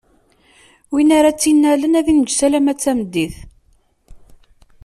Win ara tt-innalen, ad inǧes alamma d tameddit.